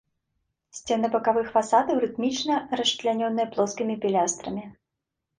Сцены бакавых фасадаў рытмічна расчлянёныя плоскімі пілястрамі.